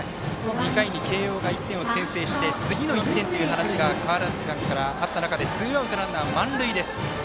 ２回に慶応が１点を先制して次の１点という話が川原崎さんからあった中でツーアウト、ランナー、満塁。